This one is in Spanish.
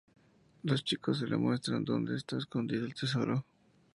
Los chicos les muestran donde está escondido el tesoro.